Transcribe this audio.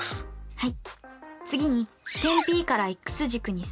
はい。